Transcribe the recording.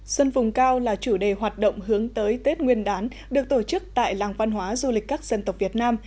xuân vùng cao là chủ đề hoạt động hướng tới tết nguyên đán được tổ chức tại làng văn hóa du lịch các dân tộc việt nam